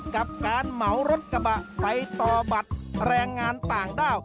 กับการเหมารถกระบะไปต่อบัตรแรงงานต่างด้าว